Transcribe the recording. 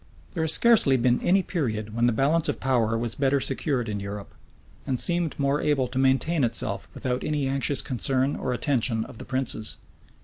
There has scarcely been any period when the balance of power was better secured in Europe, and seemed more able to maintain itself without any anxious concern or attention of the princes.